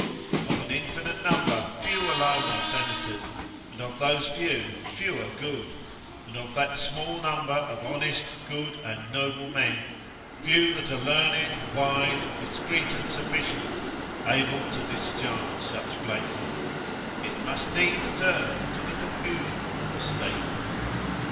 Of an infinite number, few alone are senators, and of those few, fewer good, and of that small number of honest, good, and noble men, few that are learned, wise, discreet and sufficient, able to discharge such places, it must needs turn to the confusion of a state.